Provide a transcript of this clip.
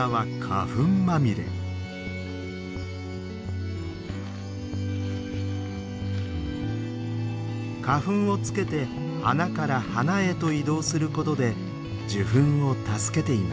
花粉をつけて花から花へと移動することで受粉を助けています。